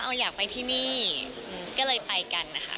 เอาอยากไปที่นี่ก็เลยไปกันนะคะ